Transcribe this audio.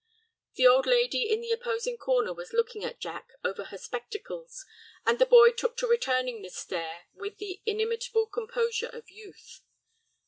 The old lady in the opposing corner was looking at Jack over her spectacles, and the boy took to returning the stare with the inimitable composure of youth.